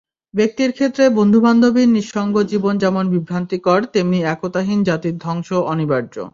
ব্যক্তির ক্ষেত্রে বন্ধুবান্ধবহীন নিঃসঙ্গ জীবন যেমন বিভ্রান্তিকর, তেননি একতাহীন জাতির ধ্বংস অনিবার্য।